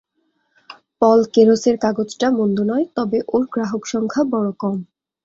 পল কেরসের কাগজটা মন্দ নয়, তবে ওর গ্রাহকসংখ্যা বড় কম।